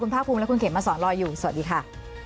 ภาคภูมิและคุณเขมมาสอนรออยู่สวัสดีค่ะ